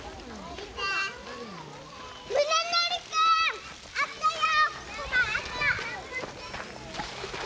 みねのりくんあったよ